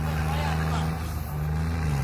ټولنیزې رسنۍ په ټولنه کې لوی رول لري.